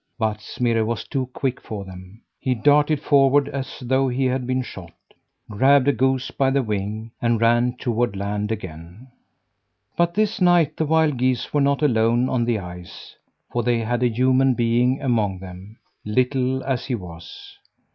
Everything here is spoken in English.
But Smirre was too quick for them. He darted forward as though he'd been shot; grabbed a goose by the wing, and ran toward land again. But this night the wild geese were not alone on the ice, for they had a human being among them little as he was.